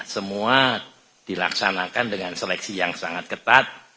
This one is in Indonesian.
semua dilaksanakan dengan seleksi yang sangat ketat